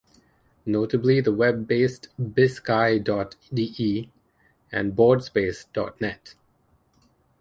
Notably the web-based biskai dot de and Boardspace dot net.